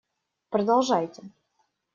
Продолжайте!